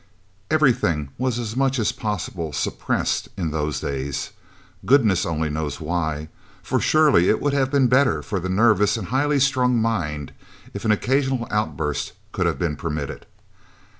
Everything was as much as possible "suppressed" in those days goodness only knows why, for surely it would have been better for the nervous and highly strung mind if an occasional outburst could have been permitted.